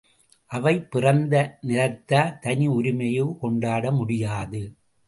அவை பிறந்த நிலத்தார், தனி உரிமையோ கொண்டாட முடியாது.